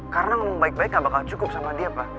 karena mau baik baik gak bakal cukup sama dia pak